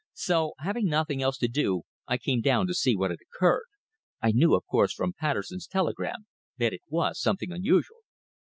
So having nothing else to do I came down to see what had occurred. I knew, of course, from Patterson's telegram, that it was something unusual."